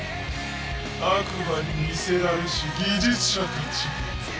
悪魔に魅せられし技術者たちよ。